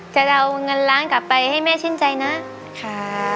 จะเอาเงินล้านกลับไปให้แม่ชื่นใจนะค่ะ